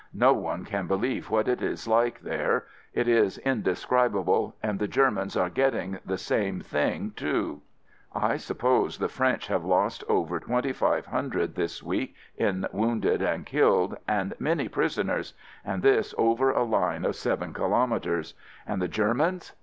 No one can believe what it is like there; it is indescribable, and the Ger mans are getting the same thing too. I "N* N. suppose the French have lost over twenty five hundred this week in wounded and killed and many prisoners — and this over a line of seven kilometres! And the Ger mans?